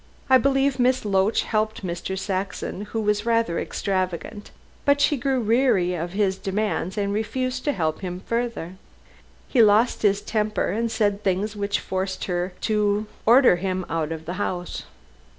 I believe Miss Loach helped Mr. Saxon, who was rather extravagant, but she grew weary of his demands and refused to help him further. He lost his temper and said things which forced her to order him out of the house."